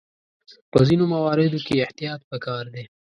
په ځینو مواردو کې احتیاط پکار دی.